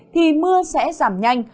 thì mưa sẽ giảm nhanh